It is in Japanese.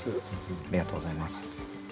ありがとうございます。